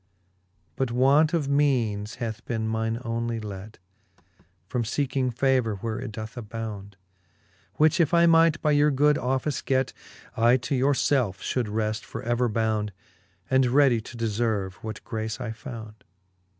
But want of meanes hath beene mine onely let From feeking favour, where it doth abound j Which if I might by your good office get, I to your felfe fhould reft for ever bound, And readie to deferve, what grace I found.